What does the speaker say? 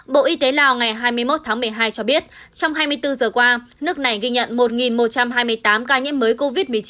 bộ y tế lào ngày hai mươi một tháng một mươi hai cho biết trong hai mươi bốn giờ qua nước này ghi nhận một một trăm hai mươi tám ca nhiễm mới covid một mươi chín